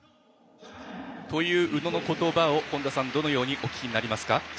という宇野のことばを本田さんどのようにお聞きになりますか？